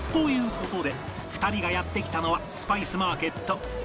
事で２人がやって来たのはスパイスマーケットカリ・バオリ